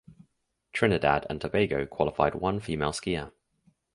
Trinidad and Tobago qualified one female skier.